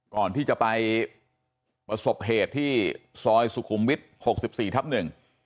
ก่อนที่จะไปประสบเหตุที่ซอยสุขุมวิค๖๔ทับหนึ่ง